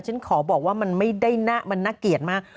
ฉันขอบอกว่ามันไม่ด้าง่ามันน่าเกียรติมาก